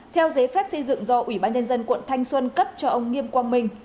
theo giấy phép xây dựng do ủy ban nhân dân quận thanh xuân cấp cho ông nghiêm quang minh